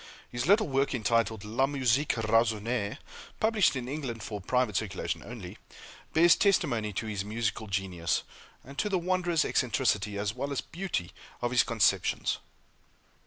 His little work, entitled "La Musique Raisonnée," published in England, for private circulation only, bears testimony to his musical genius, and to the wondrous eccentricity, as well as beauty, of his conceptions.